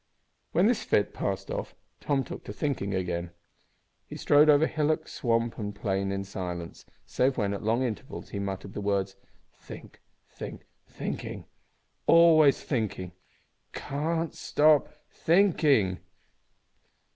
When this fit passed off Tom took to thinking again. He strode over hillock, swamp, and plain in silence, save when, at long intervals, he muttered the words, "Think, think, thinking. Always thinking! Can't stop think, thinking!"